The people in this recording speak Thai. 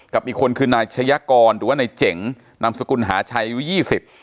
อีกคนคือนายชายกรหรือว่านายเจ๋งนามสกุลหาชัยอายุยี่สิบ